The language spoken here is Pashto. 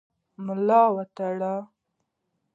هغه ملا وتړي.